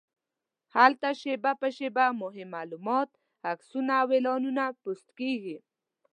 هلته شېبه په شېبه مهم معلومات، عکسونه او اعلانونه پوسټ کېږي.